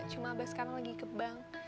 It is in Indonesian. cuma abah sekarang lagi ke bank